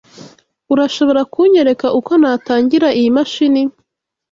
Urashobora kunyereka uko natangira iyi mashini?